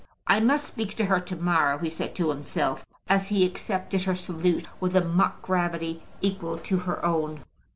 "I must speak to her to morrow," he said to himself, as he accepted her salute with a mock gravity equal to her own.